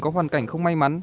có hoàn cảnh không may mắn